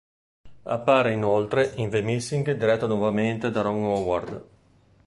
Appare, inoltre, in "The Missing" diretto nuovamente da Ron Howard.